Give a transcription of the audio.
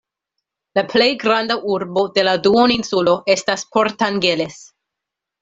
La plej granda urbo de la duoninsulo estas Port Angeles.